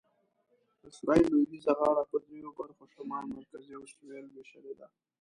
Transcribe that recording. اسرایل لویدیځه غاړه په دریو برخو شمال، مرکزي او سویل وېشلې ده.